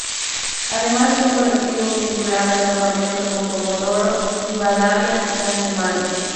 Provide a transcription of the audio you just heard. Además, un colectivo vinculaba el campamento con Comodoro Rivadavia en la semana.